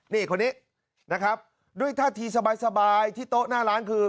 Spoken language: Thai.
นี่คนนี้นะครับด้วยท่าทีสบายที่โต๊ะหน้าร้านคือ